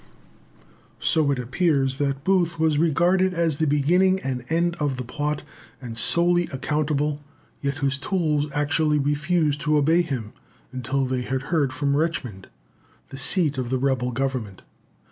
So it appears that, though Booth was regarded as the beginning and end of the plot, and solely accountable, yet his tools actually refused to obey him until they had heard from Richmond, the seat of the Rebel Government.